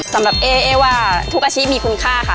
สำหรับเอ๊ะเอ๊ะว่าทุกอาชีพมีคุณค่าค่ะ